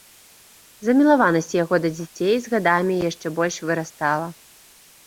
Замілаванасць яго да дзяцей з гадамі яшчэ больш вырастала.